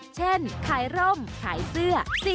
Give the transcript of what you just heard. เช่นขายร่มขายเสื้อ